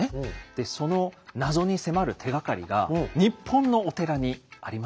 でその謎に迫る手がかりが日本のお寺にありました。